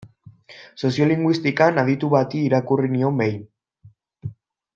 Soziolinguistikan aditu bati irakurri nion behin.